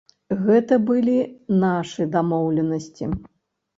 Гэта былі нашы дамоўленасці.